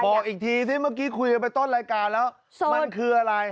บอกอีกทีสิเมื่อกี้คุยกันไปต้นรายการแล้วมันคืออะไร